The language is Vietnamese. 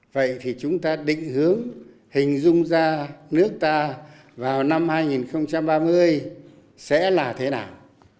vậy thì chúng ta định hướng hình dung ra nước ta vào năm hai nghìn ba mươi sẽ là thế nào